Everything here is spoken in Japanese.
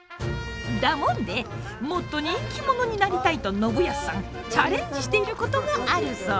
だもんでもっと人気者になりたいと信康さんチャレンジしていることがあるそう。